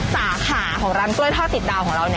สาขาของร้านกล้วยทอดติดดาวของเรา